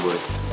aku bareng iyad